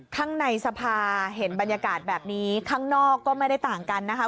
ข้างในสภาเห็นบรรยากาศแบบนี้ข้างนอกก็ไม่ได้ต่างกันนะคะ